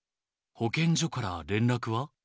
保健所から連絡は？